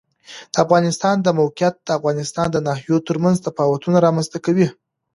د افغانستان د موقعیت د افغانستان د ناحیو ترمنځ تفاوتونه رامنځ ته کوي.